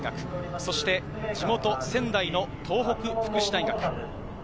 そして地元仙台の東北福祉大学。